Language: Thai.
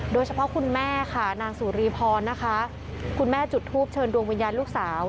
คุณแม่ค่ะนางสุรีพรนะคะคุณแม่จุดทูปเชิญดวงวิญญาณลูกสาว